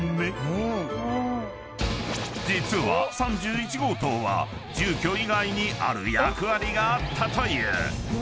［実は３１号棟は住居以外にある役割があったという］